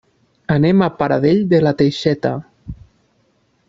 Anem a Pradell de la Teixeta.